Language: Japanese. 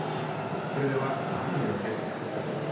それでは雨の様子です。